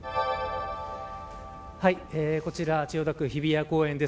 こちら千代田区、日比谷公園です。